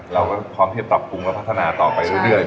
เราก็พร้อมที่จะปรับปรุงและพัฒนาต่อไปเรื่อย